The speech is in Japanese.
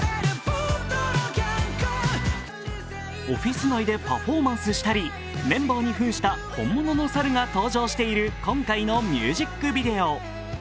オフィス内でパフォーマンスしたりメンバーにふんした本物の猿が登場している今回のミュージックビデオ。